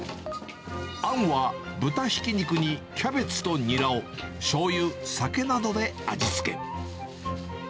あんは、豚ひき肉にキャベツとにらを、しょうゆ、酒などで味付け。